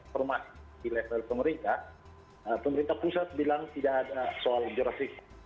formasi di level pemerintah pemerintah pusat bilang tidak ada soal jurasi